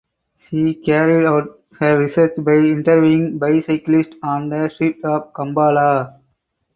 She carried out her research by interviewing bicyclists on the streets of Kampala.